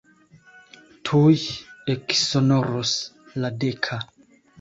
Tuj eksonoros la deka.